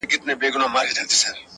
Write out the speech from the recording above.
دا خو رښتيا خبره.